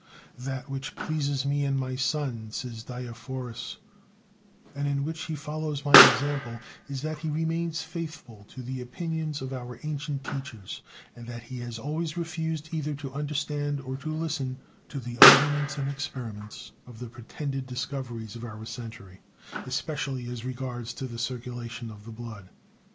"That which pleases me in my son," said Diafoirus, "and in which he follows my example, is, that he remains faithful to the opinions of our ancient teachers, and that he has always refused either to understand or to listen to the arguments and experiments of the pretended discoveries of our century, especially as regards the circulation of the blood."